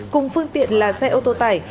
cùng phương tiện là xe ô tô tải